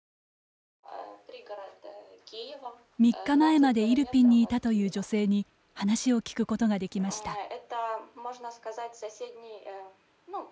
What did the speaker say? ３日前までイルピンにいたという女性に話を聞くことができました。